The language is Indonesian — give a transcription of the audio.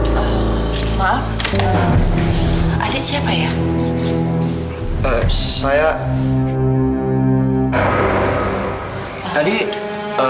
sampai ketemu lagi